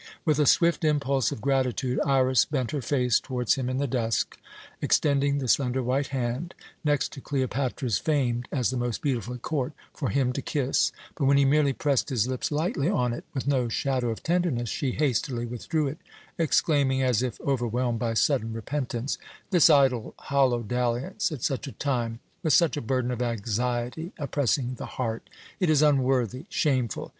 With a swift impulse of gratitude Iras bent her face towards him in the dusk, extending the slender white hand next to Cleopatra's famed as the most beautiful at court for him to kiss, but when he merely pressed his lips lightly on it with no shadow of tenderness, she hastily withdrew it, exclaiming as if overwhelmed by sudden repentance: "This idle, hollow dalliance at such a time, with such a burden of anxiety oppressing the heart! It is unworthy, shameful!